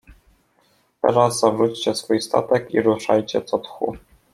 Teraz zawróćcie swój statek i ruszajcie co tchu.